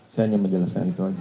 saya hanya menjelaskan itu aja